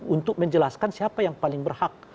untuk menjelaskan siapa yang paling berhak